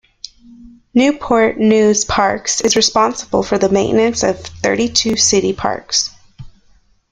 Newport News Parks is responsible for the maintenance of thirty-two city parks.